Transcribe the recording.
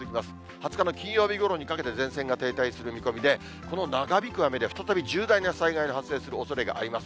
２０日の金曜日ごろにかけて前線が停滞する見込みで、この長引く雨で、再び重大な災害が発生するおそれがあります。